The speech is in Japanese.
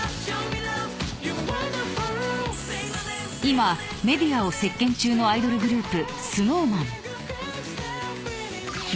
［今メディアを席巻中のアイドルグループ］